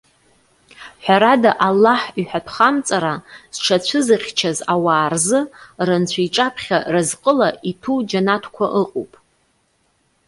Ҳәарада, Аллаҳ иҳәатәхамҵара зҽацәызыхьчаз ауаа рзы, рынцәа иҿаԥхьа разҟыла иҭәу џьанаҭқәа ыҟоуп.